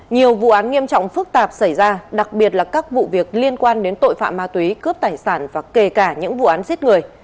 nhiều vụ án nghiêm trọng phức tạp xảy ra đặc biệt là các vụ việc liên quan đến tội phạm ma túy cướp tài sản và kể cả những vụ án giết người